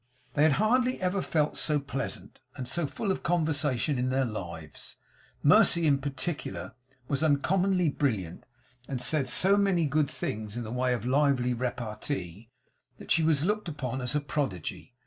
They had hardly ever felt so pleasant, and so full of conversation, in their lives; Mercy, in particular, was uncommonly brilliant, and said so many good things in the way of lively repartee that she was looked upon as a prodigy.